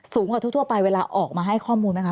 สูงกว่าทั่วไปเวลาออกมาให้ข้อมูลไหมค